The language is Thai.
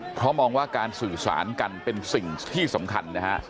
เพราะมองว่าการสื่อสารกันเป็นสิ่งที่สำคัญนะฮะ